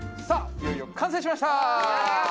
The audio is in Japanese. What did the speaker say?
いよいよ完成しました！